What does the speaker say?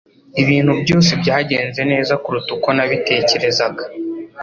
Ibintu byose byagenze neza kuruta uko nabitekerezaga